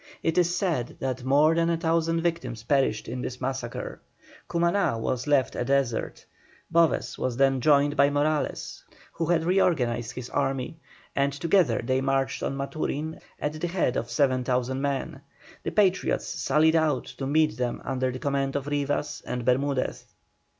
It is said that more than a thousand victims perished in this massacre. Cumaná was left a desert. Boves was then joined by Morales, who had reorganized his army, and together they marched on Maturin at the head of 7,000 men. The Patriots sallied out to meet them under the command of Rivas and Bermudez.